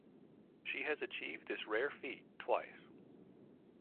She has achieved this rare feat twice.